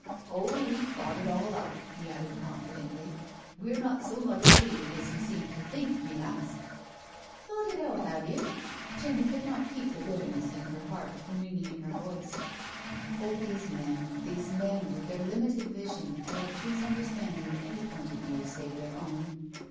Oh, we've thought it all out/' he added confidently; "we're not so mudde pated as you seem to think, me lass." "Thought it all out, have you?" Jenny could not keep the bitterness in her heart from ringing in her voice. Oh, these men, these men, with their limited vision and obtuse understanding of any point of view save their own.